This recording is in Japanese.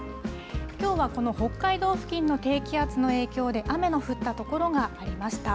きょうはこの北海道付近の低気圧の影響で雨の降ったところがありました。